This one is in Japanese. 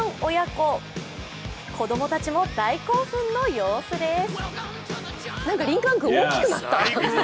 子供たちも大興奮の様子です。